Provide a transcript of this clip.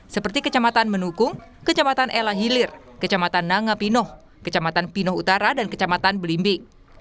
seperti kecamatan menukung kecamatan elang hilir kecamatan nangapinoh kecamatan pinoh utara dan kecamatan belimbing